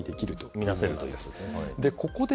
見なせるということです。